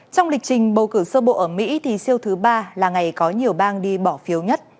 trong lịch trình bầu cử sơ bộ ở mỹ thì siêu thứ ba là ngày có nhiều bang đi bỏ phiếu nhất